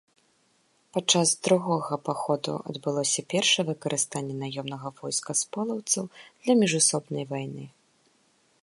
Падчас другога паходу адбылося першае выкарыстанне наёмнага войска з полаўцаў для міжусобнай вайны.